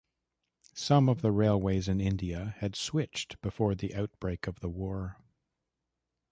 Some of the railways in India had switched before the outbreak of the war.